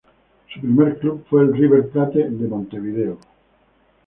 Su primer club fue el River Plate de Montevideo.